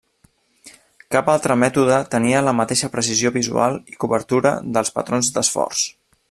Cap altre mètode tenia la mateixa precisió visual i cobertura dels patrons d'esforç.